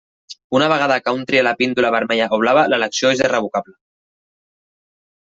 Una vegada que un tria la píndola vermella o blava, l'elecció és irrevocable.